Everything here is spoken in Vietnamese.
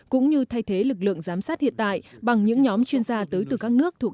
cũng như thay thế lực lượng giám sát hiện tại bằng những nhóm chuyên gia tới từ các nước thuộc